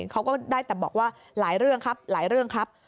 เขาก็ได้แต่บอกว่าหลายเรื่องครับหลายเรื่องครับ